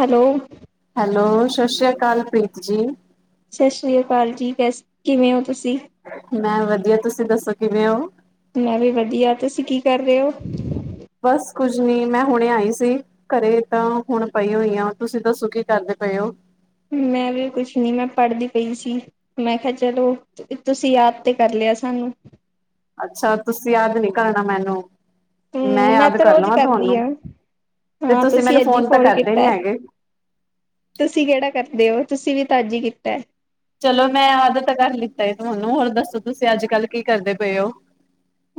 Hello. Hello ਸਤਿ ਸ਼੍ਰੀ ਅਕਾਲ ਪ੍ਰੀਤ ਜੀ। ਸਤਿ ਸ੍ਰੀ ਅਕਾਲ ਜੀ ਕਿਵੇਂ ਹੋ ਤੁਸੀਂ? ਮੈ ਵਧੀਆ ਤੁਸੀਂ ਦੱਸੋ ਕਿਵੇਂ ਔ? ਮੈਂ ਵੀ ਵਧੀਆ ਤੁਸੀਂ ਕੀ ਕਰ ਰਹੇ ਔ? ਬਸ ਕੁੱਝ ਨਹੀਂ ਮੈਂ ਹੁਣੇ ਆਈ ਸੀ। ਘਰੇ ਤਾਂ ਹੁਣ ਪਈ ਹੋਈ ਆ ਤੁਸੀਂ ਦੱਸੋ ਕੀ ਕਰਦੇ ਪਏ ਓ? ਮੈਂ ਵੀ ਕੁਛ ਨੀ ਮੈਂ ਪੜ੍ਹਦੀ ਪਈ ਸੀ। ਮੈਂ ਕਿਹਾ ਚਲੋ ਤੁਸੀਂ ਆਪ ਤੇ ਕਰ ਲਿਆ ਸਾਨੂੰ। ਅੱਛਾ ਤੁਸੀਂ ਯਾਦ ਨੀ ਕਰਨਾ ਮੈਨੂੰ। ਮੈਂ ਹੂੰ ਯਾਦ ਤਾਂ ਕਰ ਰੋਜ਼ ਲਵਾਂ ਕਰਦੀ ਤੁਹਾਨੂੰ ਹਾਂ ਤੇ ਹਾਂ ਤੁਸੀਂ ਮੈਨੂੰ ਅੱਜ ਹੀ ਫੋਨ ਤਾਂ ਕਾਰਦੇ ਨੀ ਕੀਤਾ ਹੈ। ਹੈਗੇ। ਤੁਸੀਂ ਕਿਹੜਾ ਕਰਦੇ ਹੋ ਤੁਸੀਂ ਵੀ ਤਾ ਅੱਜ ਹੀ ਕੀਤਾ ਚਲੋ ਮੈਂ ਅੱਜ ਤਾਂ ਕਰ ਲਿੱਤਾ ਹੈ ਤੁਹਾਨੂੰ ਹੋਰ ਦੱਸੋ ਤੁਸੀਂ ਅੱਜ- ਕੱਲ ਕੀ ਕਰਦੇ ਪਏ ਹੋ?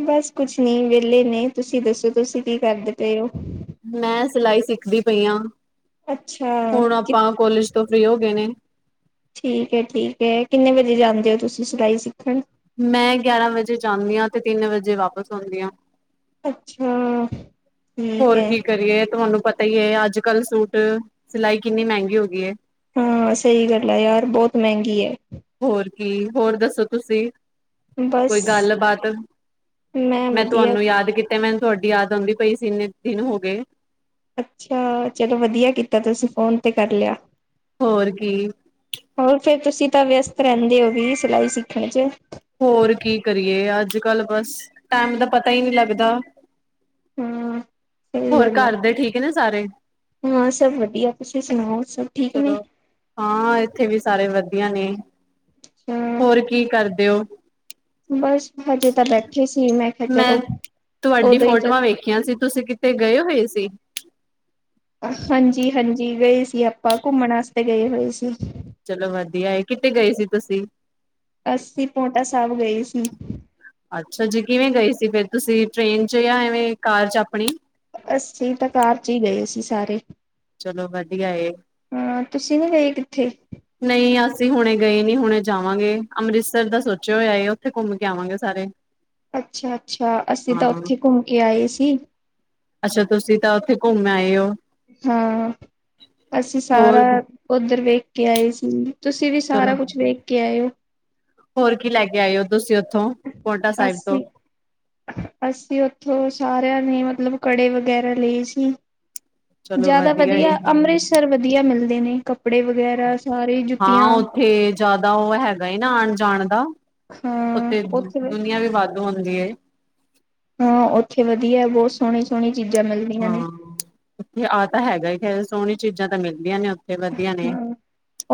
ਬਸ ਕੁਛ ਨਹੀਂ ਵਿਹਲੇ ਨੇ ਤੁਸੀਂ ਦੱਸੋ ਤੁਸੀਂ ਕੀ ਕਰਦੇ ਪਏ ਹੋ? ਮੈਂ ਸਿਲਾਈ ਸਿੱਖਦੀ ਪਈ ਹਾਂ ਅੱਛਾ ਹੁਣ ਕਿ ਆਪਾਂ ਕੋਲੇਜ ਤੋਂ ਫ੍ਰਰੀ ਹੋ ਗਏ ਨੇ ਠੀਕ ਹੈ-ਠੀਕ ਹੈ। ਕਿੰਨੇ ਵਜੇ ਜਾਂਦੇ ਹੋ ਤੁਸੀਂ ਸਿਲਾਈ ਸਿੱਖਣ ਮੈਂ ਗਿਆਰਾਂ ਵਜੇ ਜਾਂਦੀ ਹਾਂ ਤੇ ਤਿੰਨ ਵਜੇ ਵਾਪਿਸ ਆਉਂਦੀ ਹਾਂ ਅੱਛਾ ਠੀਕ ਹੋਰ ਹੈ ਕੀ ਕਰੀਏ ਤੁਹਾਨੂੰ ਪਤਾ ਹੀ ਹੈ। ਅੱਜ ਕੱਲ ਸੂਟ ਸਿਲਾਈ ਕਿੰਨੀ ਮਹਿੰਗੀ ਹੋ ਗਈ ਹੈ। ਹਾਂ ਸਹੀ ਗੱਲ ਏ ਯਾਰ ਬਹੁਤ ਮਹਿੰਗੀ ਐ। ਹੋਰ ਕੀ ਹੋਰ ਦੱਸੋ ਤੁਸੀਂ ਬਸ ਕੋਈ ਗੱਲ-ਬਾਾਤ ਮੈਂ ਤੁਹਾਨੂੰ ਯਾਦ ਕੀ ਤੇ ਮੈਨ ਤੁਹਾਡੀ ਯਾਦ ਆਉਂਦੀ ਪਈ ਸੀ। ਇੰਨੇ ਦਿਨ ਹੋ ਗਏ ਅੱਛਾ ਚਲੋ ਵਧੀਆ ਕੀਤਾ ਤੁਸੀਂ ਫੋਨ ਤੇ ਕਰ ਲਿਆ। ਹੋਰ ਕੀ। ਹੋਰ ਫਿਰ ਤੁਸੀਂ ਤਾਂ ਵਿਅਸਤ ਰਹਿੰਦੇ ਹੋ ਵੀ ਸਿਲਾਈ ਸਿੱਖਣ ਚ। ਹੋਰ ਕੀ ਕਰੀਏ ਅੱਜ-ਕੱਲ੍ਹ ਬਸ ਟੈਮ ਦਾ ਪਤਾ ਹੀ ਨਹੀਂ ਲੱਗਦਾ। ਹੂੰ ਹੋਰ ਘਰ ਦੇ ਠੀਕ ਨੇ ਸਾਰੇ ਹਾਂ ਸਭ ਵਧੀਆ ਤੁਸੀਂ ਸੁਣਾਓ ਸਭ ਠੀਕ ਨੇ ਚਲੋ ਹਾਂ ਇੱਥੇ ਵੀ ਸਾਰੇ ਵਧੀਆ ਨੇ ਹਾਂ ਹੋਰ ਕੀ ਕਰਦੇ ਹੋ ਬਸ ਹਜੇ ਤਾਂ ਬੈਠੇ ਸੀ ਮੈਂ ਕਿਹਾ ਮੈਂ ਚਲੋ ਤੁਹਾਡੀ ਉਦੋਂ ਹੀ ਫੋਟੋਆਂ ਵੇਖੀਆਂ ਸੀ। ਤੁਸੀਂ ਕਿਥਤੇ ਗਏ ਹੋਏ ਸੀ। ਹਾਂਜੀ-ਹਾਂਜੀ ਗਏ ਸੀ ਆਪਾਂ ਘੁੰਮਣ ਵਾਸਤੇ ਗਏ ਹੋਏ ਸੀ। ਚਲੋ ਵਧੀਆ ਹੈ ਕਿੱਥੇ ਗਏ ਸੀ ਤੁਸੀਂ ਅੱਸੀ ਪੋਟਾ ਸਾਹਿਬ ਗਏ ਸੀ। ਅੱਛਾ ਜੀ ਕਿਵੇਂ ਗਈ ਸੀ ਫਿਰ ਤੁਸੀਂ ਟ੍ਰੇਨ ਚ ਜਾਂ ਐਵੇਂ ਕਾਰ ਚ ਆਪਣੀ ਅਸੀਂ ਤਾਂ ਕਾਰ ਚ ਹੀ ਗਏ ਸੀ ਸਾਰੇ ਚਲੋ ਵਧੀਆ ਹਾਂ ਤੁਸੀਂ ਨੀ ਗਏ ਕਿੱਥੇ ਨਹੀਂ ਅਸੀਂ ਹੁਣੇ ਗਏ ਨੀ ਹੁਣੇ ਜਾਵਾਂਗੇ ਅੰਮ੍ਰਿਤਸਰ ਦਾ ਸੋਚਿਆ ਹੋਇਆ ਉੱਥੇ ਘੁੰਮ ਕੇ ਆਵਾਂਗੇ ਸਾਰੇ ਅੱਛਾ ਅੱਛਾ ਅਸੀਂ ਤਾਂ ਹਾਂ ਉੱਥੇ ਘੁੰਮ ਕੇ ਆਏ ਸੀ। ਅੱਛਾ ਤੁਸੀਂ ਤਾਂ ਉੱਥੇ ਘੁੰਮ ਆਏ ਹੋ। ਹਾਂ ਅਸੀਂ ਸਾਰਾ ਹੋਰ ਉਧਰ ਵੇਖ ਕੇ ਆਏ ਸੀ। ਤੁਸੀਂ ਵੀ ਚਲੋ ਸਾਰਾ ਕੁਛ ਵੇਖ ਕੇ ਆਏ ਹੋ ਹੋਰ ਕੀ ਲੈ ਕੇ ਆਏ ਹੋ ਤੁਸੀਂ ਉੱਥੋਂ ਪੋਟਾ ਸਾਹਿਬ ਤੋਂ? ਅੱਸੀ ਅਸੀਂ ਉੱਥੋਂ ਸਾਰਿਆਂ ਨੇ ਮਤਲਬ ਕੜੇ ਵਗੈਰਾ ਲਏ ਸੀ। ਚਲੋ ਜ਼ਿਆਦਾ ਏ ਵਧੀਆ ਅੰਮ੍ਰਿਤਸ ਸਰ ਵਧੀਆ ਮਿਲਦੇ ਨੇ ਕੱਪੜੇ ਵਗੈਰਾ ਸਾਰੇ ਹਾਂ ਜੁੱਤੀਆਂ ਉੱਥੇ ਜ਼ਿਆਦਾ ਉਹ ਹੈਗਾ ਨਾ ਆਉਣ ਜਾਣ ਦਾ ਉੱਥੇ ਦੁਨੀਆਂ ਵੀ ਵੱਧ ਹੁੰਦੀ ਏ ਹਾਂ ਉੱਥੇ ਵਧੀਆ ਬਹੁਤ ਸੋਹਣੀ ਸੋਹਣੀ ਚੀਜ਼ਾਂ ਮਿਲਦੀਆਂ ਹਾਂ। ਨੇ ਆਹ ਤਾਂ ਹੈਗਾ ਸੋਹਣੀ ਚੀਜ਼ਾਂ ਤਾਂ ਮਿਲਦੀਆਂ ਨੇ ਉਥੇ ਹਮ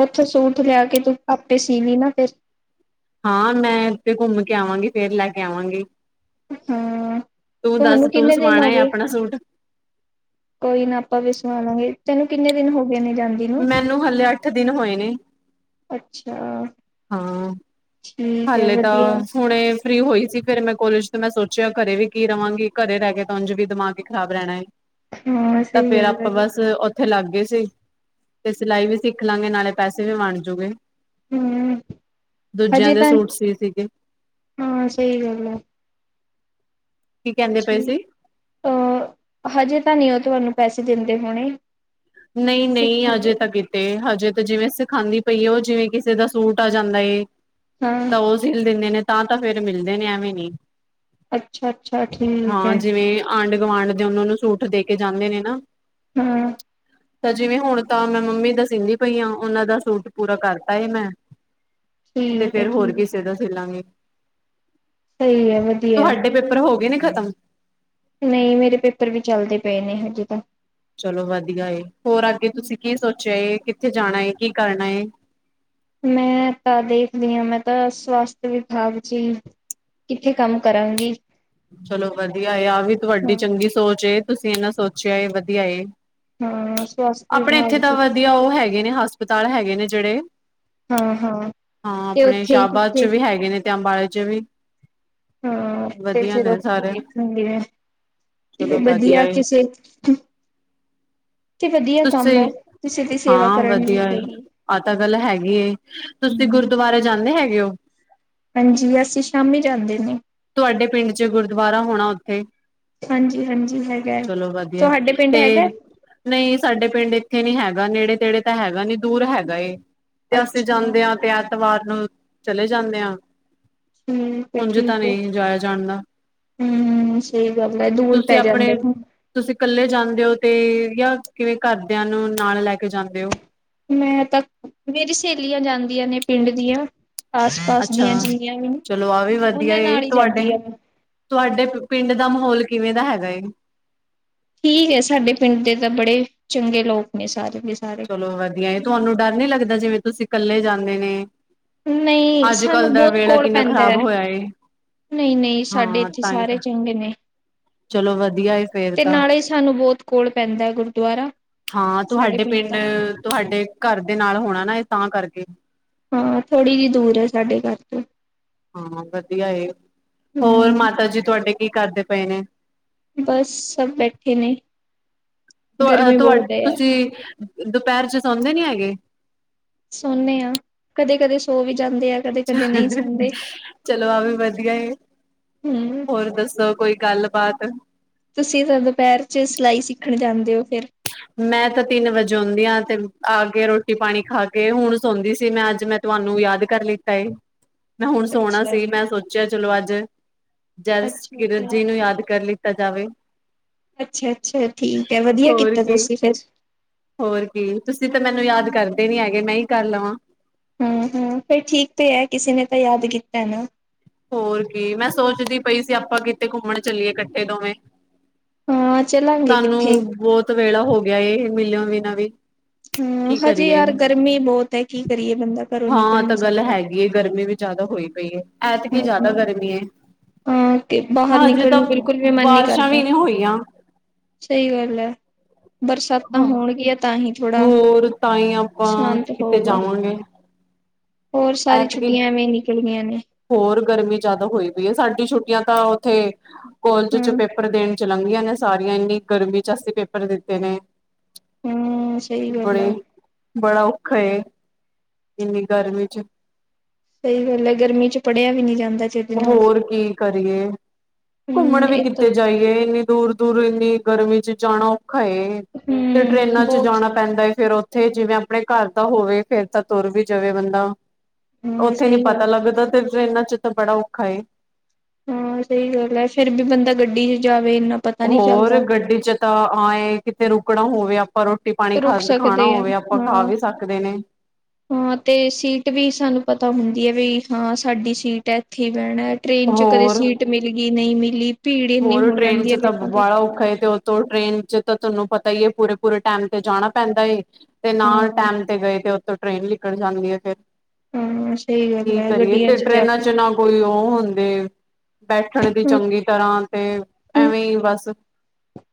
ਉੱਥੇ ਸੂਟ ਲਿਆ ਕੇ ਤੂੰ ਆਪੇ ਸੀਵੀ ਨਾ ਫਿਰ ਹਾਂ ਮੈਂ ਇੱਥੇ ਘੁੰਮ ਕੇ ਆਵਾਂਗੀ ਫੇਰ ਲੈ ਕੇ ਆਵਾਂਗੀ ਹਾਂ ਤੂੰ ਦੱਸ ਤੁਹਾਨੂੰ ਤੂੰ ਕਿੰਨੇ ਦਿਨ ਹੋ ਸਵਾਣਾ ਗਏ ਆਪਣਾ ਸੂਟ ਕੋਈ ਨਾ ਆਪਾਂ ਵੀ ਸੋਆਵਾਂਗੇ ਤੈਨੂੰ ਕਿੰਨੇ ਦਿਨ ਹੋ ਗਏ ਨੇ ਜਾਂਦੀ ਨੂੰ ਮੈਨੂੰ ਹਲੇੇ ਅੱਠ ਦਿਨ ਹੋਏ ਨੇ ਅੱਛਾ ਹਾਂ ਠੀਕ ਹੈ ਹਲੇ ਵਧੀਆ ਤਾਂ ਹੁਣੇ ਫ੍ਰਰੀ ਹੋਈ ਸੀ ਫੇਿਰ ਮੈਂ ਕੋਲੇਜ ਤੋਂ ਮੈਂ ਸੋਚਿਆ ਘਰੇ ਵੀ ਕੀ ਰਹਾਂਗੀ ਘਰੇ ਰਹਿ ਕੇ ਤਾਂੰਝ ਵੀ ਦਿਮਾਗ ਖਰਾਬ ਰਹਿਣਾ ਹੈ ਹਾਂ ਤਾਂ ਸਹੀ ਫੇਰ ਗੱਲ ਹੈ ਆਪਾਂ ਬਸ ਉੱਥੇ ਲੱਗ ਗਏ ਸੀ ਤੇ ਸਿਲਾਈ ਵੀ ਸਿੱਖ ਲਾਂਗੇ ਨਾਲੇ ਪੈਸੇ ਵੀ ਬਣ ਜੂਗੇ ਹਮ ਦੂਜਿਆਂ ਹਜੇ ਦੇ ਤਾਂ ਸੂਟ ਸੀ ਸੀਗੇ ਹਾਂ ਸਹੀ ਗੱਲ ਆ ਕੀ ਕਹਿੰਦੇ ਪਏ ਜੀ ਸੀ ਅ ਹਜੇ ਤਾਂ ਨਹੀਂ ਉਹ ਤੁਹਾਨੂੰ ਪੈਸੇ ਦਿੰਦੇ ਹੋਣੇ ਨਹੀਂ ਨਹੀਂ ਸਿੱਖਣ ਦੇ ਅਜੇ ਤੱਕ ਕਿੱ ਤੇ ਹਜੇ ਤੇ ਜਿਵੇਂ ਸਿਖਾਂਦੀ ਪਈ ਹੈ ਉਹ ਜਿਵੇਂ ਕਿਸੇ ਦਾ ਸੂਟ ਆ ਜਾਂਦਾ ਏ ਹਾਂ ਤਾਂ ਉਸ ਦਿਲ ਦਿੰਦੇ ਨੇ ਤਾਂ ਫੇਿਰ ਮਿਲਦੇ ਨੇ ਐਵੇਂ ਨੀ ਅੱਛਾ ਅੱਛਾ ਠੀਕ ਹਾਂ ਹੈ, ਜਿਵੇਂ ਆਂਢ ਗੁਆਂਾਂਢ ਦੇ ਉਹਨਾਂ ਨੂੰ ਸੂਟ ਦੇ ਕੇ ਜਾਂਦੇ ਨੇ ਨਾ ਹਮ ਤਾਂ ਜਿਵੇਂ ਹੁਣ ਤਾਂ ਮੈਂ ਮੰਮੀ ਦਾ ਸੀਦੀ ਪਈ ਹਾਂ। ਉਹਨਾਂ ਦਾ ਸੂਟ ਪੂਰਾ ਕਰਤਾ ਹੈ ਮੈਂ ਤੇ ਠੀਕ ਹੈ ਫੇਰ ਹੋਰ ਠੀਕ ਕਿਸੇ ਦਾ ਸੀ ਲਾਂਗੇ ਸਹੀ ਹੈ ਵਧੀਆ ਪੇਪਰ ਹੋ ਗਏ ਨੇ ਖਤਮ ਨਹੀਂ ਮੇਰੇ ਪੇਪਰ ਵੀ ਚੱਲਦੇ ਪਏ ਨੇ ਹਜੇ ਤਾਂ ਚਲੋ ਵਧੀਆ ਏ ਹੋਰ ਅੱਗੇ ਤੁਸੀਂ ਕੀ ਸੋਚਿਆ ਕਿੱਥੇ ਜਾਣਾ ਹੈ। ਕੀ ਕਰਨਾ ਹੈ। ਮੈਂ ਤਾ ਦੇਖਦੀ ਹਾਂ, ਮੈਂ ਤਾਂ ਸਵਾਸਥ ਵਿਭਾਗ ਜੀ। ਕਿੱਥੇ ਕੰਮ ਕਰਾਂਗੀ ਚਲੋ ਵਧੀਆ ਏ ਆਹ ਵੀ ਤੁਹਾਡੀ ਹਾਂ ਚੰਗੀ ਸੋਚ ਏ, ਤੁਸੀਂ ਇਹਨਾਂ ਸੋਚਿਆ ਏ ਵਧੀਆ ਏ। ਹਾਂ ਸਵਾਸਥਯ ਆਪਣੇ ਵਿਭਾਗ ਇੱਥੇ ਤਾਂ ਚ ਵਧੀਆ ਉਹ ਹੈਗੇ ਨੇ ਹਸਪਤਾਲ ਹੈਗੇ ਨੇ ਜਿਹੜੇ ਹਾਂ-ਹਾਂ ਹਾਂ ਤੇ ਆਪਣੇ ਉੱਥੇ ਹੀ ਸ਼ਾਹਬਾਦ ਚ ਕਿੱਥੇ ਵੀ ਹੈਗੇ ਨੇ ਤੇ ਅੰਬਾਲੇ ਚ ਵੀ ਹਾਂ ਤੇ ਵਧੀਆ ਫਿਰ ਨੇ ਉਥੇ ਸਾਰੇ ਦੇਖਾਂਗੇ ਚਲੋ ਵਧੀਆ ਏ ਕਿਸੇ ਤੇ ਵਧੀਆ ਕੰਮ ਹੈ ਤੁਸੀਂ ਕਿਸੇ ਦੀ ਸੇਵਾ ਹਾਂ ਕਰਨ ਨੂੰ ਵਧੀਆ ਏ ਮਿਲੇਗੀ ਆਹ ਤਾਂ ਗੱਲ ਹੈਗੀ ਐਂ ਤੁਸੀਂ ਹੂੰ ਗੁਰਦੁਆਰੇ ਜਾਂਦੇ ਹੈਗੇ ਹੋ ਹਾਂਜੀ ਅਸੀਂ ਸ਼ਾਮੀ ਜਾਂਦੇ ਆਂ ਤੁਹਾਡੇ ਪਿੰਡ ਚ ਗੁਰਦੁਆਰਾ ਹੋਣਾ ਉੱਥੇ, ਹਾਂਜੀ-ਹਾਂਜੀ ਹੈਗਾ ਚਲੋ ਵਧੀਆ ਤੁਹਾਡੇ ਪਿੰਡ ਤੇ, ਹੈਗਾ ਨਹੀਂ ਸਾਡੇ ਪਿੰਡ ਇੱਥੇ ਨੀ ਹੈਗਾ ਨੇੜੇ ਤੇੜੇ ਤਾਂ ਹੈਗਾ ਨੀ ਦੂਰ ਹੈਗਾ ਏ ਤੇ ਅਸੀਂ ਅੱਛਾ ਜਾਂਦੇ ਹਾਂ ਤੇ ਐਤਵਾਰ ਨੂੰ ਚਲੇ ਜਾਂਦੇ ਹਾਂ ਹਮ ਤੇ ਉੰਝ ਤਾਂ ਠੀਕ ਨਹੀਂ ਜਾਇਆ ਜਾਂਦਾ ਹਮ ਸਹੀ ਗੱਲ ਹੈ ਦੂਰ ਤੁਸੀਂ ਪੈ ਜਾਂਦੈ ਆਪਣੇ ਨਾ ਤੁਸੀਂ ਕੱਲੇ ਜਾਂਦੇ ਹੋ ਤੇ ਯਾ ਕਿਵੇਂ ਘਰਦਿਆਂ ਨੂੰ ਨਾਲ ਲੈ ਕੇ ਜਾਂਦੇ ਹੋ। ਮੈਂ ਤਾਂ ਮੇਰੀ ਸਹੇਲੀਆਂ ਜਾਂਦੀਆਂ ਨੇ ਪਿੰਡ ਦੀਆਂ। ਆਸ ਪਾਸ ਅੱਛਾ ਦੀਆਂ ਜਿੰਨੀਆਂ ਵੀ ਨੇ ਚਲੋ ਆਹ ਵੀ ਵਧੀਆ ਉਹਨਾਂ ਏ ਨਾਲ ਹੀ ਤੁਹਾਡੇ ਜਾਂਦੀ ਹਾਂ ਤੁਹਾਡੇ ਪਿੰਡ ਦਾ ਮਾਹੌਲ ਕਿਵੇਂ ਦਾ ਹੈਗਾ ਏ, ਠੀਕ ਏ ਸਾਡੇ ਪਿੰਡ ਦੇ ਤਾਂ ਬੜੇ ਚੰਗੇ ਲੋਕ ਨੇ ਸਾਰੇ ਦੇ ਸਾਰੇ ਲੋ ਵਧੀਆ ਏ ਤੁਹਾਨੂੰ ਡਰ ਨੀ ਲੱਗਦਾ ਜਿਵੇਂ ਤੁਸੀਂ ਕੱਲੇ ਜਾਂਦੇ ਨੇ ਨਹੀਂ ਅੱਜ ਕਲ ਸਾਨੂੰ ਦਾ ਬਹੁਤ ਵੇਲਾ ਕੋਲ ਕਿੰਨਾ ਪੈਂਦਾ ਖ਼ਰਾਬ ਹੈ ਹੋਇਆ ਏ। ਨਹੀਂ ਨਹੀਂ ਸਾਡੇ ਹਾਂ ਇੱਥੇ ਤਾਂ ਹੀ ਸਾਰੇ ਤਾਂ ਚੰਗੇ ਨੇ ਚਲੋ ਵਧੀਆ ਏ ਫੇਰ ਤੇ ਤਾਂ ਨਾਲੇ ਸਾਨੂੰ ਬਹੁਤ ਕੋਲ ਪੈਂਦਾ ਏ ਗੁਰਦੁਆਰਾ ਹਾਂ ਸਾਡੇ ਤੁਹਾਡੇ ਪਿੰਡ ਦਾ ਤੁਹਾਡੇ ਘਰ ਦੇ ਨਾਲ ਹੋਣਾ ਨਾ ਇਹ ਤਾਂ ਕਰਕੇ ਹਾਂ ਥੋੜ੍ਹੀ ਜਿਹੀ ਦੂਰ ਹੈ ਸਾਡੇ ਘਰ ਤੋਂ ਹਾਂ ਵਧੀਆ ਏ, ਹੋਰ ਹਮ ਮਾਤਾ ਜੀ ਤੁਹਾਡੇ ਕੀ ਕਰਦੇ ਪਏ ਨੇ, ਬਸ ਸਭ ਬੈਠੇ ਨੇ ਗਰਮੀ ਤੁਹਾਡੇ ਬਹੁਤ ਹੈ ਯਾਰ ਤੁਸੀਂ ਦੁਪਹਿਰ ਚ ਸੌਂਦੇ ਨੀ ਹੈਗੇ ਸੋੇਨੇ ਆਂ ਕਦੇ ਕਦੇ ਸੋ ਵੀ ਜਾਂਦੇ ਆ। ਕਦੇ ਕਦੇ ਨਹੀਂ ਸੌਦੇ ਚਲੋ ਆਹ ਵੀ ਵਧੀਆ ਹਮ ਹੋਰ ਦੱਸੋ? ਕੋਈ ਗੱਲ ਬਾਤ ਤੁਸੀਂ ਤਾਂ ਦੁਪਹਿਰ ਚ ਸਿਲਾਈ ਸਿੱਖਣ ਜਾਂਦੇ ਹੋ ਫਿਰ ਮੈਂ ਤਾਂ ਤਿੰਨ ਵਜੇ ਆਉਂਨੀ ਹਾਂ ਤੇ ਆ ਕੇ ਰੋਟੀ ਪਾਣੀ ਖਾ ਕੇ ਹੁਣ ਸੌਂਦੀ ਸੀ ਮੈਂ ਅੱਜ ਮੈਂ ਤੁਹਾਨੂੰ ਯਾਦ ਕਰ ਲਿੱਤਾ ਏ ਮੈਂ ਹੁਣ ਸੋਣਾ ਅੱਛਾ ਸੀ ਮੈਂ ਸੋਚਿਆ ਚਲੋ ਅੱਜ ਜਸ ਅੱਛਾ ਕਿਰਨ ਅੱਛਾ ਜੀ ਨੂੰ ਯਾਦ ਕਰ ਲਿੱਤਾ ਜਾਵੇ। ਅੱਛਾ, ਅੱਛਾ ਠੀਕ ਹੈ ਵਧੀਆ ਹੋਰ ਕੀਤਾ ਕੀ ਤੁਸੀਂ ਫਿਰ ਹੋਰ ਕੀ ਤੁਸੀਂ ਤਾਂ ਮੈਨੂੰ ਯਾਦ ਕਰਦੇ ਨੀ ਹੈਗੇ ਮੈਂ ਹੀ ਕਰ ਲਵਾਂ। ਹੁ, ਹੁ ਫੇਰ ਠੀਕ ਤੇ ਹੈ ਕਿਸੇ ਨੇ ਤਾਂ ਯਾਦ ਕੀਤਾ ਐ ਨਾ ਹੋਰ ਕੀ ਮੈਂ ਸੋਚਦੀ ਪਈ ਸੀ ਆਪਾਂ ਕਿਤੇ ਘੁੰਮਣ ਚੱਲੀਏ ਇਕੱਠੇ ਦੋਵੇਂ। ਹਾਂ ਚਲਾਂਗੇ ਤਹਾਨੂੰ ਕਿੱਥੇ ਬਹੁਤ ਵੇਲਾ ਹੋ ਗਿਆ ਏ ਮਿਲਿਆ ਬਿਨਾਂ ਵੀ ਹਮ ਕੀ ਹਜੇ ਕਰੀਏ ਯਾਰ ਗਰਮੀ ਬਹੁਤ ਹੈ ਕੀ ਕਰੀਏ ਬੰਦਾ ਘਰੋਂ ਹਾਂ ਨਿਕਲ ਤਾਂ ਨੀ ਗੱਲ ਸਕਦਾ। ਹੈਗੀ ਏ ਗਰਮੀ ਵੀ ਜਿਆਦਾ ਹੋਈ ਪਈ ਹੈ ਐਤਕੀ ਹਾਂ ਜਿਆਦਾ ਗਰਮੀ ਹੈ ਹਾਂ ਤੇ ਬਾਹਰ ਨਿਕਲਣ ਨੂੰ ਬਿਲਕੁਲ ਵੀ ਮਨ ਨੀ ਬਾਰਿਸ਼ਾਂ ਕਰਦਾ ਵੀ ਨਹੀਂ ਹੋਈਆਂ। ਸਹੀ ਗੱਲ ਹੈ ਬਰਸਾਤਾਂ ਹੋਣਗੀਆਂ ਤਾਂ ਹੀ ਥੋੜਾ ਹੋਰ ਤਾਂ ਹੀ ਆਪਾਂ ਸ਼ਾਂਤ ਕਿਤੇ ਹੋਊਗਾ ਜਾਵਾਂਗੇ ਹੋਰ ਸਾਰੀ ਐਤਕੀ ਛੁੱਟੀਆਂ ਐਵੇਂ ਨਿਕਲ ਗੀਆਂ ਨੇ ਹੋਰ ਗਰਮੀ ਜਿਆਦਾ ਹੋਈ ਪਈ ਹੈ ਸਾਡੀ ਛੁੱਟੀਆਂ ਤਾਂ ਉੱਥੇ ਕੋਲਜ ਚ ਪੇਪਰ ਦੇਣ ਚ ਲੰਘੀਆਂ ਨੇ ਸਾਰੀਆਂ ਇੰਨੀ ਗਰਮੀ ਚ ਅਸੀਂ ਪੇਪਰ ਦਿੱਤੇ ਨੇ ਹਾਂ-ਹਾਂ ਸਹੀ ਗੱਲ ਬੜੇ ਆ ਬੜਾ ਔਖਾ ਏ ਇੰਨੀ ਗਰਮੀ ਚ ਸਹੀ ਗੱਲ ਹੈ ਗਰਮੀ ਚ ਪੜਿਆ ਵੀ ਨਹੀਂ ਜਾਂਦਾ। ਚਜ ਨਾਲ ਹੋਰ ਕੀ ਕਰੀਏ ਘੁੰਮਣ ਹੂੰ ਵੀ ਇਹ ਤੋਂ ਕਿਤੇ ਜਾਈਏ ਇਨੀ ਦੂਰ, ਦੂਰ ਇੰਨੀ ਗਰਮੀ ਚ ਜਾਣਾ ਔਖਾ ਏ ਤੇ ਹੂੰ ਟ੍ਰੇਨਾਂ ਚ ਬਹੁਤ ਜਾਣਾ ਪੈਂਦਾ ਫਿਰ ਉੱਥੇ ਜਿਵੇਂ ਆਪਣੇ ਘਰ ਦਾ ਹੋਵੇ ਫਿਰ ਤਾਂ ਤੁਰ ਵੀ ਜਾਵੇ ਬੰਦਾ। ਹਾਂ ਉੱਥੇ ਨੀ ਸਹੀ ਗੱਲ ਪਤਾ ਲੱਗਦਾ ਤੇ ਟ੍ਰੇਨਾ ਵਿਚ ਤਾਂ ਬੜਾ ਔਖਾ ਏ ਹਾਂ ਸਹੀ ਗੱਲ ਹੈ ਫਿਰ ਵੀ ਬੰਦਾ ਗੱਡੀ ਚ ਜਾਵੇ ਇੰਨਾ ਪਤਾ ਨਹੀਂ ਹੋਰ ਚੱਲਦਾ ਗੱਡੀ ਚ ਤਾਂ ਆਏ ਕਿਥੇ ਰੁਕਣਾ ਹੋਵੇ। ਪਰ ਰੋਟੀ ਪਾਣੀ ਖਾ ਰੁਕ ਖਾਣਾ ਸਕਦੇ ਆ ਹੋਵੇ ਆਪਾਂ ਖਾ ਹਾਂ ਵੀ ਸਕਦੇ ਨੇ ਹਾਂ ਤੇ ਸੀਟ ਵੀ ਸਾਨੂੰ ਪਤਾ ਹੁੰਦੀ ਹੈ ਵੀ ਹਾਂ ਸਾਡੀ ਸੀਟ ਹੈ ਇੱਥੇ ਹੀ ਬਹਿਣਾ। ਟ੍ਰੇਨ ਚ ਕਦੇ ਸੀਟ ਮਿਲ ਗਈ ਨਹੀਂ ਮਿਲੀ ਭੀੜ ਇੰਨੀ ਔਰ ਹੋ ਟ੍ਰੇਨ ਜਾਂਦੀ ਚ ਹੈ ਲੋਕਾਂ ਦੀ ਬੜਾ ਔਖਾ ਉੱਤੋਂ ਟ੍ਰੇਨ ਇਹ ਤਾਂ ਤੁਹਾਨੂੰ ਪਤਾ ਹੀ ਹੈ ਪੂਰੇ, ਪੂਰੇ ਟਾਈਮ ਤੇ ਜਾਣਾ ਪੈਂਦਾ। ਤੇ ਨਾ ਹਾਂ ਟੈਮ ਤੇ ਗਏ ਤੇ ਉਥੋਂ ਟ੍ਰੇਨ ਨਿਕਲ ਜਾਂਦੀ ਹੈ ਫਿਰ ਹਾਂ ਸਹੀ ਗੱਲ ਕੀ ਹੈ ਕਰੀਏ ਗੱਡੀਆਂ ਤੇ ਜਾ ਟਰੇਨਾਂ ਕੇ ਚ ਨਾ ਕੋਈ ਉਹ ਹੁੰਦੇ ਬੈਠਣ ਦੀ ਹਮ ਚੰਗੀ ਤਰ੍ਹਾਂ ਤੇ ਐਵੇਂ ਬਸ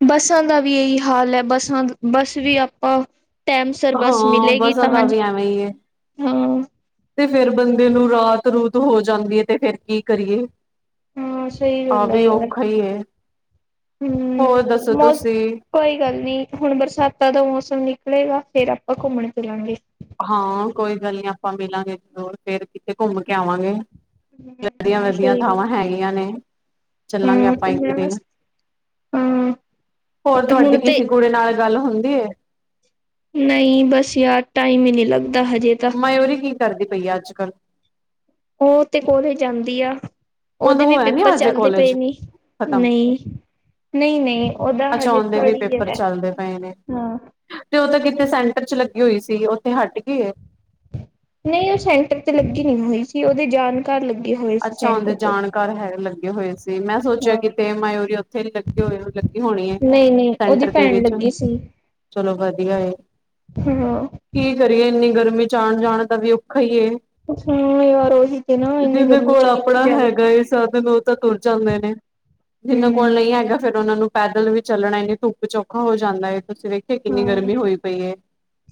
ਬੱਸਾਂ ਦਾ ਵੀ ਇਹੀ ਹਾਲ ਹੈ ਬੱਸਾਂ ਬੱਸ ਵੀ ਆਪਾਂ ਟਾਈਮ ਸਿਰ ਬਸ ਹਾਂ ਮਿਲੇਗੀ ਬੱਸਾਂ ਤਾਂ ਹਾਂ ਦਾ ਵੀ ਐਵੇਂ ਹੀ ਏ। ਤੇ ਫਿਰ ਬੰਦੇ ਨੂੰ ਰਾਤ ਰੂਤ ਹੋ ਜਾਂਦੀ ਹੈ ਤੇ ਫਿਰ ਕੀ ਕਰੀਏ। ਹਾਂ ਸਹੀ ਆ ਵੀ ਔਖਾ ਈ ਏ ਹੂ [unintelligible] ਕੋਈ ਗੱਲ ਨਹੀਂ ਹੁਣ ਬਰਸਾਤਾਂ ਦਾ ਮੌਸਮ ਨਿਕਲੇਗਾ ਫਿਰ ਆਪਾਂ ਘੁੰਮਣ ਫਿਰਾਂਗੇ। ਹਾਂ ਕੋਈ ਗੱਲ ਨੀ ਆਪਾਂ ਮਿਲਾਂਗੇ ਜਰੂਰ ਫਿਰ ਕਿਥੇ ਘੁੰਮ ਕੇ ਆਵਾਂਗੇ। ਵਧਿਆ, ਹਾਂ ਵਧਿਆ ਸਹੀ ਗੱਲ। ਥਾਵਾਂ ਹੈਗੀਆਂ ਨੇ ਚੱਲਾਂਗੇ ਹਾਂ ਆਪਾਂ ਇੱਕ ਘੁੰਮਣ ਦਿਨ ਵਾਸਤੇ ਹਾਂ ਹੋਰ ਤੁਹਾਡੀ ਹੁਣ ਤੇ ਕਿਸੇ ਕੁੜੀ ਨਾਲ ਗੱਲ ਹੁੰਦੀ ਹੈ। ਨਹੀਂ ਬਸ ਯਾਰ ਟਾਈਮ ਹੀ ਨਹੀਂ ਲੱਗਦਾ ਹਜੇ ਤਾਂ ਮਰੋਰੀ ਕੀ ਕਰਦੀ ਪਈ ਆ ਅੱਜ ਕੱਲ ਉਹ ਤੇ ਕੋਲੇਜ ਜਾਂਦੀ ਆ। ਉਹਦਾ ਉਹਦੇ ਵੀ ਹੋਇਆ ਨੀ ਪੇਪਰ ਅਜੇ ਚੱਲਦੇ ਪਏ ਕੋਲਜ ਨੀ ਖਤਮ ਨਹੀਂ, ਨਹੀਂ, ਨਹੀਂ ਅੱਛਾ ਉਹਦੇ ਵੀ ਪੇਪਰ ਚੱਲਦੇ ਪਏ ਨੇ। ਹਾਂ। ਤੇ ਉਹ ਤਾਂ ਕਿਤੇ ਸੈਂਟਰ 'ਚ ਲੱਗੀ ਹੋਈ ਸੀ ਉੱਥੇ ਹੱਟ ਗੀ ਹੈ। ਨਹੀਂ ਉਹ ਸੈਂਟਰ ਤੇ ਲੱਗੀ ਨਹੀਂ ਹੋਈ ਸੀ ਉਹਦੇ ਜਾਣ। ਘਰ ਲੱਗੇ ਹੋਏ। ਸੀ ਅੱਛਾ ਉਹਦੇ ਸੈਂਟਰ ਤੇ। ਜਾਣਕਾਰ ਹੈ ਲੱਗੇ ਹੋਏ ਸੀ ਮੈਂ ਸੋਚਿਆ ਹਾਂ। ਕਿਤੇ ਮੈਂ। ਇੱਥੇ ਵੀ ਲੱਗੇ ਹੋਏ ਲੱਗੀ ਹੋਣੀ ਹੈ। ਨਹੀਂ-ਨਹੀਂ ਉਹਦੀ ਸੈਂਟਰ ਦੇ ਭੈਣ ਵਿਚ ਲੱਗੀ ਸੀ ਚਲੋ ਵਧੀਆ ਹੈ। [unintelligible] ਕੀ ਕਰੀਏ ਇੰਨੀ ਗਰਮੀ ਚ ਆਣ ਜਾਣ ਦਾ ਵੀ ਔਖਾ ਹੀ ਏ। ਹਾਂ ਯਾਰ ਉਹੀ ਤੇ ਨਾ ਇੰਨੀ ਜਿਹਦੇ ਗਰਮੀ ਕੋਲ ਚ ਕਿੱਥੇ ਆਪਣਾ ਜਾਵੇ। ਹੈਗਾ ਏ ਸਾਧਨ ਉਹ ਤਾਂ ਤੁਰ ਜਾਂਦੇ ਨੇ। ਜਿਨਾਂ ਕੋਲ ਹੂੰ। ਨਹੀਂ ਹੈਗਾ ਫਿਰ ਉਹਨਾਂ ਨੂੰ ਪੈਦਲ ਵੀ ਚੱਲਣਾ ਇੰਨੀ ਧੁੱਪ ਵਿਚ ਔਖਾ ਹੋ ਜਾਂਦਾ ਹੈ। ਤੁਸੀਂ ਵੇਖੋ ਇੱਥੇ ਕਿੰਨੀ ਹਾਂ ਗਰਮੀ ਹੋਈ ਪਈ ਹੈ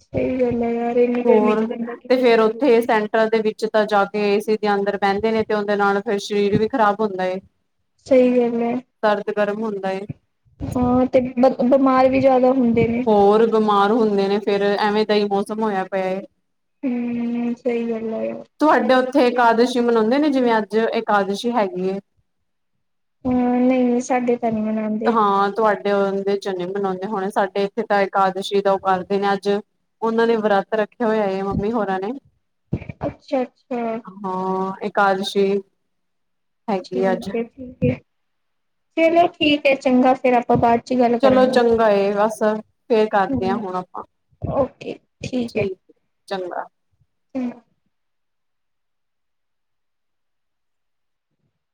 ਸਹੀ ਗੱਲ ਹੈ ਯਾਰ ਇੰਨੀ ਗਰਮੀ ਚ ਹੋਰ ਬੰਦਾ ਤੇ ਕਿੱਥੇ ਫਿਰ ਜਾਵੇ। ਉੱਥੇ ਸੈਂਟਰ। ਦੇ ਵਿੱਚ ਤਾਂ ਜਾ ਕੇ ਏਸੀ ਦੇ ਅੰਦਰ ਬਹਿੰਦੇ ਨੇ ਤੇ ਉਹਦੇ ਨਾਲ ਫਿਰ ਸਰੀਰ ਵੀ ਖ਼ਰਾਬ ਹੁੰਦਾ ਹੈ। ਸਹੀ ਗੱਲ ਹੈ। ਸਰਦ ਗਰਮ ਹੁੰਦਾ ਏ ਹੋਰ ਤੇ ਬਿਮਾਰ ਵੀ ਜ਼ਿਆਦਾ ਹੁੰਦੇ ਨੇ। ਹੋਰ ਬਿਮਾਰ ਹੁੰਦੇ ਨੇ ਫਿਰ ਐਵੇਂ ਦਾ ਹੀ ਮੌਸਮ ਹੋਇਆ ਪਿਆ ਹੂ ਸਹੀ ਗਲੲ ਏ ਤੁਹਾਡੇ ਉੱਥੇ ਇਕਾਦਸ਼ੀ ਮਨਾਉਂਦੇ ਨੇ ਜਿਵੇਂ ਅੱਜ ਏਕਾਦਸ਼ੀ ਹੈਗੀ ਏ ਹਾਂ ਨਹੀਂ ਸਾਡੇ ਤਾਂ ਨਹੀਂ ਮਨਾਉਂਦੇ। ਹਾਂ ਤੁਹਾਡੇ ਦੇ ਜਨੇ [unintelligible] ਮਨਾਉਂਦੇ ਹੋਣੇ ਸਾਡੇ ਪਿਤਾ ਇਕਏਾਦਸ਼ੀ ਦਾ ਉਹ ਕਰਦੇ ਨੇ ਅੱਜ ਉਹਨਾਂ ਨੇ ਵਰਤ ਰੱਖਿਆ ਹੋਇਆ ਹੈ ਮੰਮੀ ਹੋਰਾਂ ਨੇ। ਅੱਛਾ-ਅੱਛਾ। ਹਾਂ ਇਕਾਦਸ਼ੀ ਠੀਕ ਹੈ, ਠੀਕ ਹੈ ਚਲੋ ਠੀਕ ਹੈ ਚੰਗਾ ਫੇਰ ਆਪਾਂ ਬਾਦ ਚਲੋ ਚੰਗਾ ਏ ਬਸ ਫੇਰ ਕਰਦੇ ਹਾਂ ਹੂੰ। ਹੁਣ ਆਪਾਂ। ਓਕੇ ਠੀਕ ਹੈ। ਚੰਗਾ। ਹੂੰ।